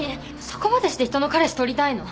そこまでして人の彼氏取りたいの？